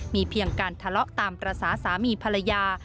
มีเพียงการทะเลาะตามภาษาสามีภรรยา